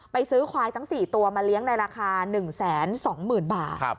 ไปซื้อควายทั้งสี่ตัวมาเลี้ยงในราคา๑แสน๒หมื่นบาท